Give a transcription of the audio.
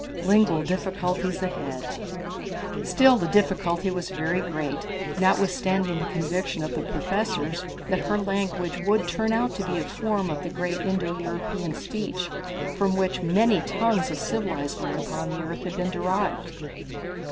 Lingual Difficulties Ahead. Still the difficulty was very great, notwithstanding the conviction of the professors that her language would turn out to be a form of the great Indo European speech from which the many tongues of civilized men upon the earth had been derived.